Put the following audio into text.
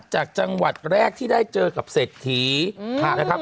จากจังหวัดแรกที่ได้เจอกับเศรษฐีนะครับ